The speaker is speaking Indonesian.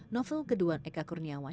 novel kedua eka kurniawan